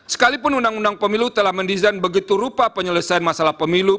sekalipun undang undang pemilu telah mendesain begitu rupa penyelesaian masalah pemilu